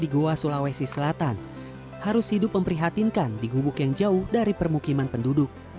di goa sulawesi selatan harus hidup memprihatinkan di gubuk yang jauh dari permukiman penduduk